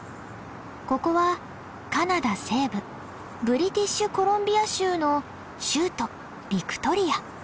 ここはカナダ西部ブリティッシュコロンビア州の州都ビクトリア。